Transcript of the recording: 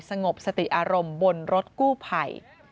สงบสติอารมณ์บนรถกู้ภัย